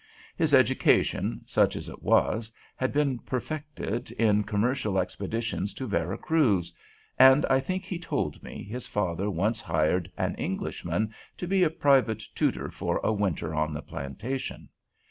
His education, such as it was, had been perfected in commercial expeditions to Vera Cruz, and I think he told me his father once hired an Englishman to be a private tutor for a winter on the plantation.